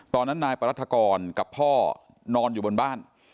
ตอนนั้นนายปรัฐกรกับพ่อนอนอยู่บนบ้าน